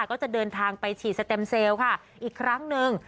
ก็จะเดินทางไปฉีดสเต็มเซลล์ค่ะอีกครั้งหนึ่ง